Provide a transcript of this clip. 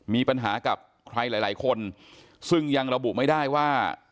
มีปัญหากับใครหลายคนซึ่งยังระบุไม่ได้ว่า